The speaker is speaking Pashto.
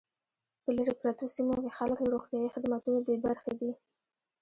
په لري پرتو سیمو کې خلک له روغتیايي خدمتونو بې برخې دي